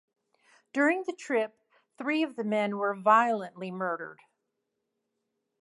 During the trip, three of the men were violently murdered.